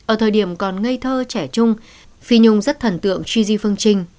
ở thời điểm còn ngây thơ trẻ trung phi nhung rất thần tượng tri di phương trinh